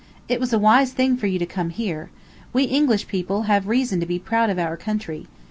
It was a wise thing for you to come here. We English people have reason to be proud of our country.